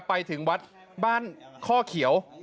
ไปถึงวัดบ้านข้อเขียว